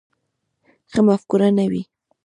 ښه مفکوره نه وي.